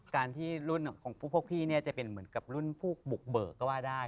การที่รุ่นของพวกพี่เนี่ยจะเป็นเหมือนกับรุ่นพวกบุกเบิกก็ว่าได้